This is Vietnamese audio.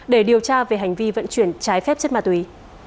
để điều tra về hành vi vận chuyển trái phép chất ma túy